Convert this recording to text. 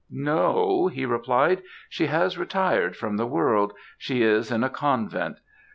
"No," he replied. "She has retired from the world, she is in a convent.